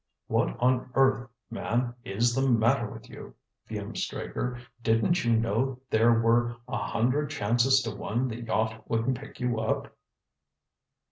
"What on earth, man, is the matter with you?" fumed Straker. "Didn't you know there were a hundred chances to one the yacht wouldn't pick you up?"